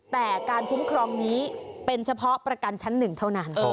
แต่การคุ้มครองนี้เป็นเฉพาะประกันชั้นหนึ่งเท่านั้น